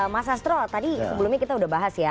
mas astro tadi sebelumnya kita sudah bahas ya